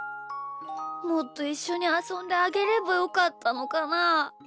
もっといっしょにあそんであげればよかったのかな？